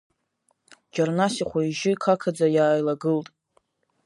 Џьарнас ихәы-ижьы қақаӡа иааилагылт.